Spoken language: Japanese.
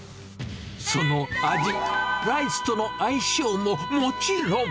その味、ライスとの相性ももちろん。